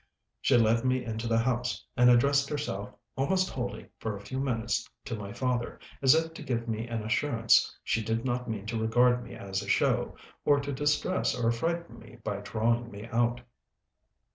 She led me into the house, and addressed herself almost wholly for a few minutes to my father, as if to give me an assurance she did not mean to regard me as a show, or to distress or frighten me by drawing me out.